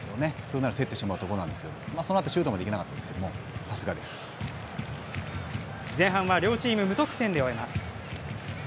普通なら焦ってしまうところなんですがそのあと、シュートまでいけなかったですけど前半は両チーム無得点で終えます。